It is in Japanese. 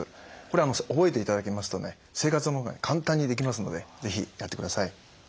これ覚えていただきますとね生活の中で簡単にできますので是非やってください。